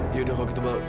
yaudah kalau gitu bal